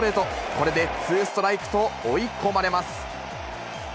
これでツーストライクと追い込まれます。